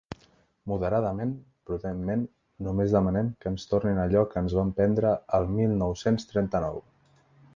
Moderadament, prudentment, només demanem que ens tornin allò que ens van prendre el mil nou-cents trenta-nou.